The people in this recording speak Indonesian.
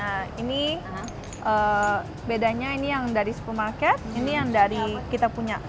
nah ini bedanya ini yang dari supermarket ini yang dari kita punya